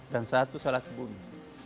dan satu salat bumi